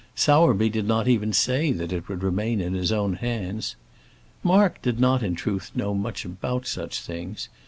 Sowerby did not even say that it would remain in his own hands. Mark did not in truth know much about such things.